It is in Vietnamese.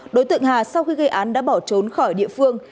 đối tượng hà sau khi gây án đã bỏ trốn khỏi địa phương